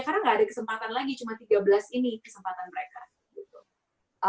karena gak ada kesempatan lagi cuma tiga belas ini kesempatan mereka